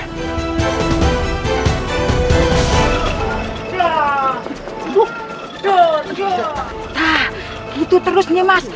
ya itu terus mas